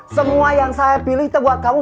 semua yang saya pilih itu buat kamu